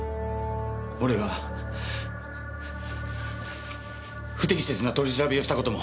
俺が不適切な取り調べをした事も。